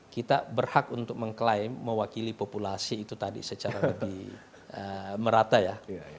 kita berhak untuk mengklaim mewakili populasi itu tadi secara lebih merata ya